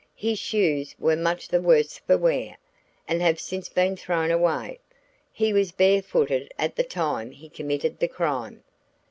His shoes were much the worse for wear, and have since been thrown away. He was bare footed at the time he committed the crime.